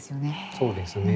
そうですね。